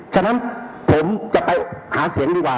ฉะนั้นผมจะไปหาเสียงดีกว่า